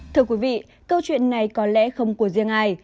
thưa quý vị câu chuyện này có lẽ không của riêng ai